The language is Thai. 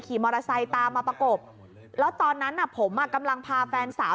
ขี่มอเตอร์ไซตามมาประกบแล้วตอนนั้นผมกำลังพาแฟนสาว